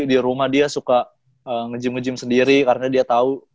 di rumah dia suka ngejim nge gym sendiri karena dia tahu